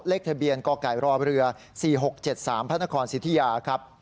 เลขทะเบียนกกรเรือ๔๖๗๓พศิษยาครับ